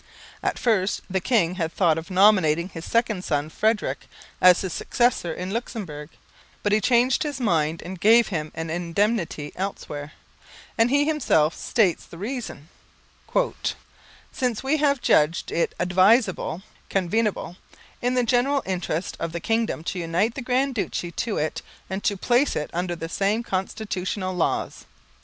At first the king had thought of nominating his second son Frederick as his successor in Luxemburg, but he changed his mind and gave him an indemnity elsewhere; and he himself states the reason, "since we have judged it advisable (convenable) in the general interest of the kingdom to unite the Grand Duchy to it and to place it under the same constitutional laws."